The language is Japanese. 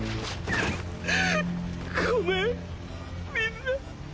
ごめんみんな。